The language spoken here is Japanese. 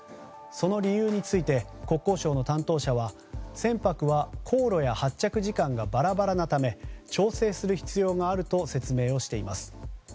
その理由について国交省の担当者は船舶は航路や発着時間がバラバラなため調整する必要があると説明しています。